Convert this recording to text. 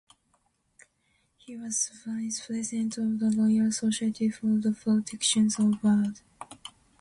He was Vice-President of the "Royal Society for the Protection of Birds".